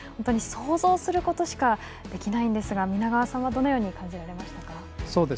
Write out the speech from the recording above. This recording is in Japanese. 想像することしかできないんですが皆川さんはどのように感じられましたか？